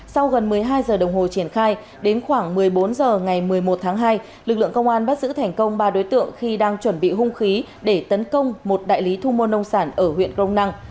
sau gần một mươi hai giờ đồng hồ triển khai đến khoảng một mươi bốn h ngày một mươi một tháng hai lực lượng công an bắt giữ thành công ba đối tượng khi đang chuẩn bị hung khí để tấn công một đại lý thu mua nông sản ở huyện crong năng